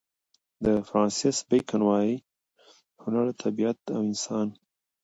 د فرانسیس بېکن وايي: هنر طبیعت او انسان.